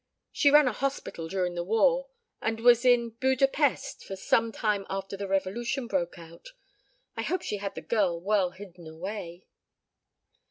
She ran a hospital during the war and was in Buda Pesth for some time after the revolution broke out. I hope she had the girl well hidden away."